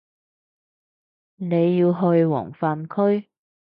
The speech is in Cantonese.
你要去黃泛區